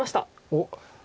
おっ。